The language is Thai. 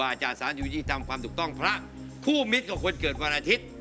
อาจารย์สารอยู่ยี่ตามความถูกต้องพระคู่มิตรกับคนเกิดวันอาทิตย์